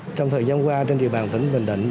trong thời gian qua trên địa bàn tỉnh bình định